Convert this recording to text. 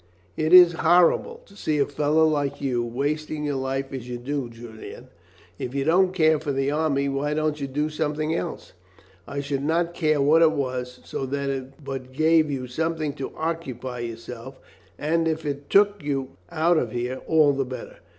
"It is horrible to see a fellow like you wasting your life as you do, Julian. If you don't care for the army, why don't you do something else? I should not care what it was, so that it but gave you something to occupy yourself, and if it took you out of here, all the better.